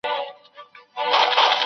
د قلمي نسخو موندل د هر چا کار نه دی.